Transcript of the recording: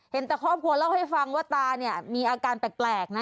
แต่ครอบครัวเล่าให้ฟังว่าตาเนี่ยมีอาการแปลกนะ